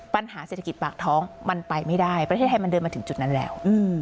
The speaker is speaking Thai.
ปัญหาเศรษฐกิจปากท้องมันไปไม่ได้ประเทศไทยมันเดินมาถึงจุดนั้นแล้ว